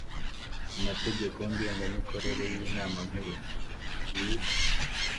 Amategeko ngengamikorere y Inama Nkuru y